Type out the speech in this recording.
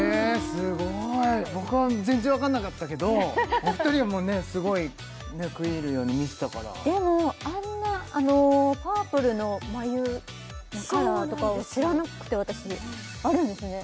すごい僕は全然分かんなかったけどお二人はもうねすごいね食い入るように見てたからでもあんなあのパープルの眉のカラーとかは知らなくて私あるんですね